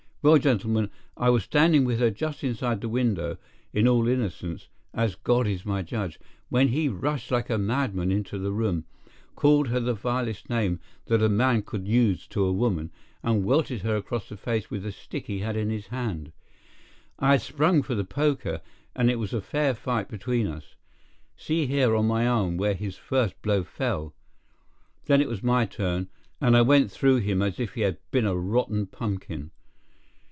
Well, gentlemen, I was standing with her just inside the window, in all innocence, as God is my judge, when he rushed like a madman into the room, called her the vilest name that a man could use to a woman, and welted her across the face with the stick he had in his hand. I had sprung for the poker, and it was a fair fight between us. See here, on my arm, where his first blow fell. Then it was my turn, and I went through him as if he had been a rotten pumpkin.